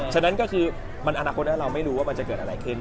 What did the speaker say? ฉะนั้นก็คือมันอนาคตนั้นเราไม่รู้ว่ามันจะเกิดอะไรขึ้น